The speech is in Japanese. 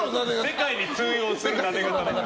世界で通用する、なで肩だから。